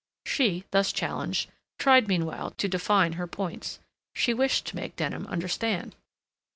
She, thus challenged, tried meanwhile to define her points. She wished to make Denham understand.